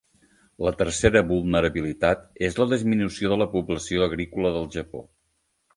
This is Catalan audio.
La tercera vulnerabilitat és la disminució de la població agrícola del Japó.